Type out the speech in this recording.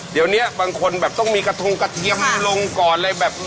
เดี๋ยวนี้บางคนแบบต้องมีกระทงกระเทียมลงก่อนเลยแบบ